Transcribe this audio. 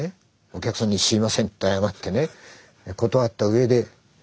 お客さんに「すいません」って謝ってね断った上でやるんです。